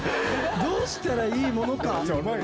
どうしたらいいものか」。